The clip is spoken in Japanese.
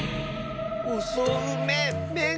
おそうめん？